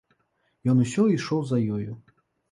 Ён усё ішоў за ёю.